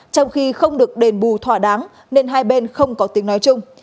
trong khi không được đền bù thỏa đáng nên hai bên không có tiếng nói chung